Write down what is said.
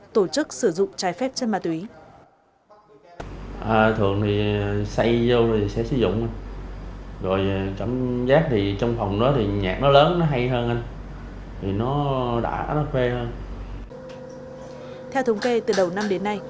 tổ chức sử dụng ma túy